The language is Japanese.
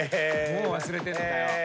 もう忘れてんのかよ。